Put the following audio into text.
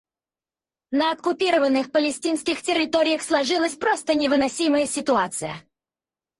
На оккупированных палестинских территориях сложилась просто невыносимая ситуация.